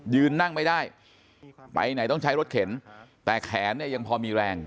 ยืนนั่งไม่ได้ไปไหนต้องใช้รถเข็นแต่แขนเนี่ยยังพอมีแรง